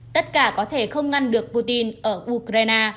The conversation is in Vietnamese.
tất cả có thể không ngăn được putin ở ukraine